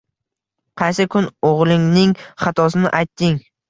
Qaysi kun o'g'lingning xatosini aytding?